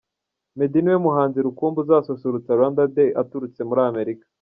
Meddy ni we muhanzi rukumbi uzasusurutsa Rwanda Day aturutse muri Amerika.